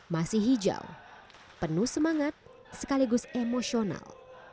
masih hijau penuh semangat sekaligus emosional